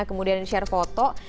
kemudian share foto